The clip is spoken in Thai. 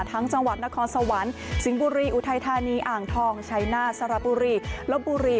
ทั้งจังหวัดนครสวรรค์สิงบุรีอุทัยธานีอางทองเฉายน่าสระบุรีรบบุรี